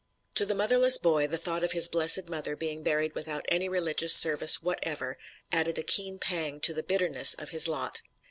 To the motherless boy the thought of his blessed mother being buried without any religious service whatever added a keen pang to the bitterness of his lot.